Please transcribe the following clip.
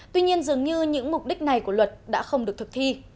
tuy nhiên dường như những mục đích này của luật đã không được thực thi